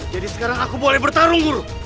jadi sekarang aku boleh bertarung guru